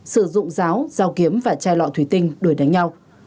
sử dụng ráo dao kiếm và chai lọ thủy tinh đuổi đánh nhau